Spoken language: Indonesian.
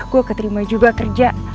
gue keterima juga kerja